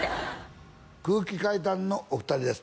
空気階段のお二人です